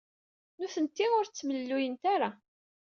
Nitenti ur ttemlelluyent ara.